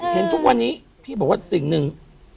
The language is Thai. เห็นทุกวันนี้พี่บอกว่าสิ่งหนึ่ง